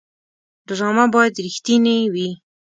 ډرامه باید رښتینې وي